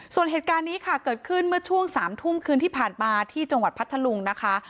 ส่วนเหตุการณ์นี้ค่ะเกิดขึ้นเมื่อช่วง๓ทุ่มคืนที่ผ่านมาที่จังหวัดพัทธลุงนะคะ